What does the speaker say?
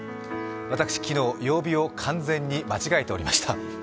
私、昨日、曜日を完全に間違えておりました。